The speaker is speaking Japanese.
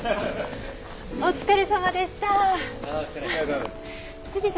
お疲れさまでした。